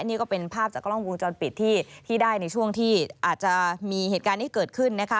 นี่ก็เป็นภาพจากกล้องวงจรปิดที่ได้ในช่วงที่อาจจะมีเหตุการณ์นี้เกิดขึ้นนะคะ